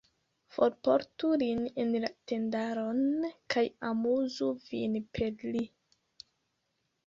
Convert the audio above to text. Forportu lin en la tendaron, kaj amuzu vin per li.